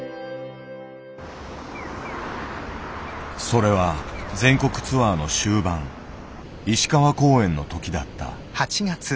それは全国ツアーの終盤石川公演の時だった。